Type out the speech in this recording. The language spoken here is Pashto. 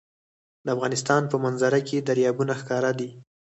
د افغانستان په منظره کې دریابونه ښکاره ده.